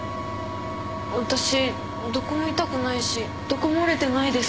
私どこも痛くないしどこも折れてないですけど。